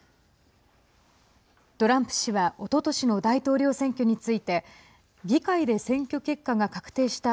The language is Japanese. トランプ氏はおととしの大統領選挙について議会で選挙結果が確定した